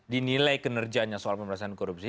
di nilai kinerjanya soal pemerintah korupsi